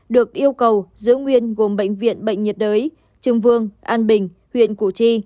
được yêu cầu giữ nguyên gồm bệnh viện bệnh nhiệt đới trưng vương an bình huyện củ chi